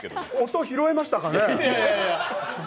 音、拾えましたかね？